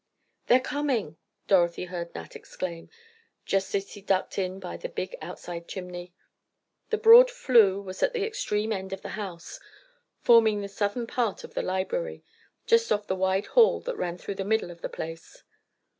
"They're coming!" Dorothy heard Nat exclaim, just as he ducked in by the big outside chimney. The broad flue was at the extreme end of the house, forming the southern part of the library, just off the wide hall that ran through the middle of the place.